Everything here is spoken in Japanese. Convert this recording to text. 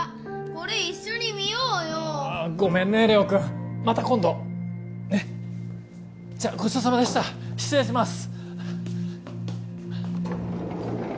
これ一緒に見ようよごめんね玲央くんまた今度ねっじゃごちそうさまでした失礼します